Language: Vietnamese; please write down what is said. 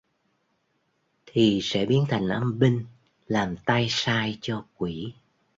Thì sẽ biến thành âm binh làm tay sai cho quỷ